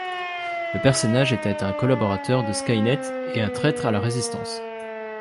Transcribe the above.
Le personnage était un collaborateur de Skynet et un traître à la résistance.